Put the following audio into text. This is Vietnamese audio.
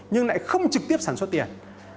nhưng lại không trực tiếp sản xuất tiền